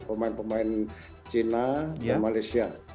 pemain pemain china dan malaysia